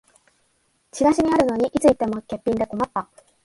チラシにあるのにいつ行っても欠品で困った